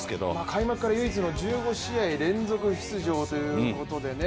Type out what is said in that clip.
開幕から唯一の１５試合連続出場ということでね。